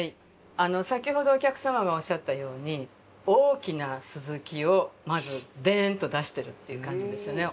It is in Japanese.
先ほどお客様がおっしゃったように大きな鱸をまずでんと出してるっていう感じですよね。